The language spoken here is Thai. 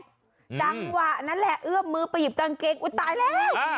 จังหวะนั้นแหละเอื้อมมือไปหยิบกางเกงอุ๊ยตายแล้ว